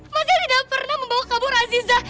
mas zain tidak pernah membawa kabur aziza